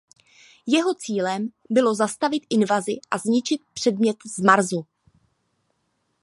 Jeho cílem bylo zastavit invazi a zničit předmět z Marsu.